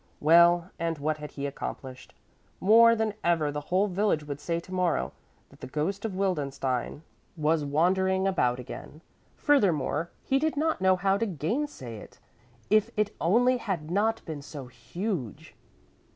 Well, and what had he accomplished? More than ever the whole village would say to morrow that the ghost of Wildenstein was wandering about again. Furthermore he did not know how to gainsay it. If it only had not been so huge!